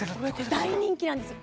大人気なんです